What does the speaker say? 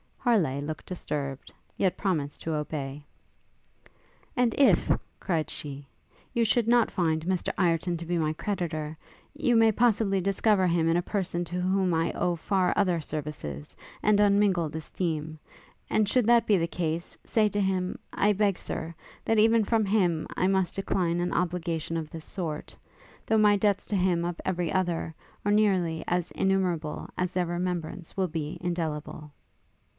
Harleigh looked disturbed, yet promised to obey. 'And if,' cried she, 'you should not find Mr Ireton to be my creditor, you may possibly discover him in a person to whom I owe far other services, and unmingled esteem. And should that be the case, say to him, I beg, Sir, that even from him I must decline an obligation of this sort, though my debts to him of every other, are nearly as innumerable as their remembrance will be indelible.'